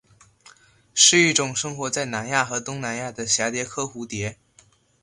是一种生活在南亚和东南亚的蛱蝶科蝴蝶。